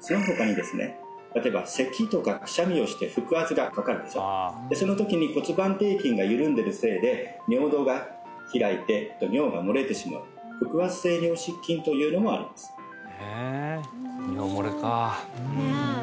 その他にですね例えば咳とかくしゃみをして腹圧がかかるでしょそのときに骨盤底筋が緩んでるせいで尿道が開いて尿が漏れてしまう腹圧性尿失禁というのもありますへえ尿漏れかねえ